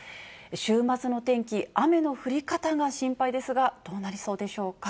週末の天気、雨の降り方が心配ですが、どうなりそうでしょうか。